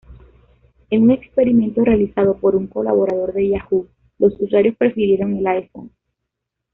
En un experimento realizado por un colaborador de Yahoo, los usuarios prefirieron el iPhone.